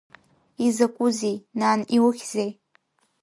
Изакәызеи, нан иухьзеи?